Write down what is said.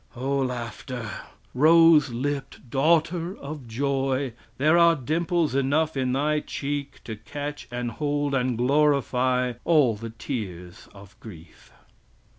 O, Laughter, rose lipped daughter of joy, there are dimples enough in thy cheek to catch and hold and glorify all the tears of grief!